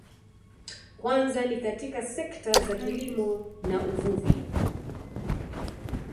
Kwanza ni katika sekta za kilimo na uvuvi